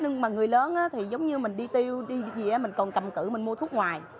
nhưng mà người lớn thì giống như mình đi tiêu đi gì mình còn cầm cự mình mua thuốc ngoài